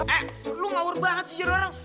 eh lu ngawur banget sih orang